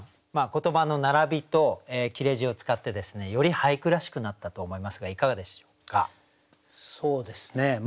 言葉の並びと切字を使ってより俳句らしくなったと思いますがいかがでしょうか？